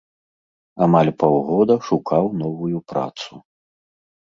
Амаль паўгода шукаў новую працу.